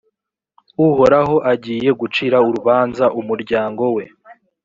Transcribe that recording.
uhoraho agiye gucira urubanza umuryango we.